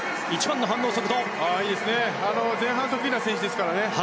前半が得意な選手ですからね。